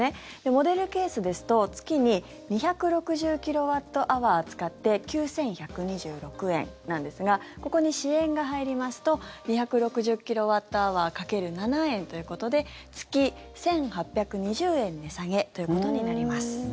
モデルケースですと、月に２６０キロワットアワー使って９１２６円なんですがここに支援が入りますと２６０キロワットアワー掛ける７円ということで月１８２０円値下げということになります。